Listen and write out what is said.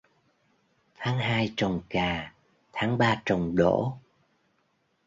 Tháng hai trồng cà, tháng ba trồng đỗ.